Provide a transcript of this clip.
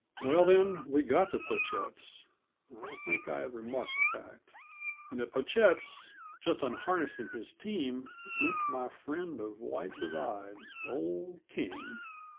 Well, then, we got to Pochette's I think I have remarked the fact. And at Pochette's, just unharnessing his team, limped my friend of White Divide, old King.